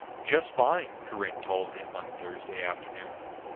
"Just fine," Corinne told him on Thursday afternoon.